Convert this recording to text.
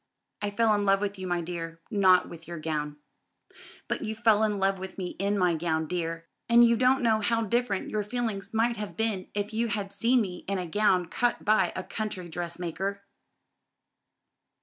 "I fell in love with you, my dear, not with your gown." "But you fell in love with me in my gown, dear; and you don't know how different your feelings might have been if you had seen me in a gown cut by a country dressmaker."